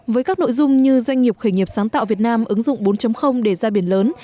với các nội dung như doanh nghiệp khởi nghiệp sáng tạo việt nam ứng dụng bốn để ra biển lớn